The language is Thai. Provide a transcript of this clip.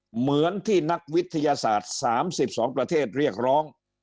เหมือนที่นักวิทยาศาสตร์๓๒ประเทศเรียกร้อง